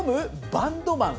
バンドマン。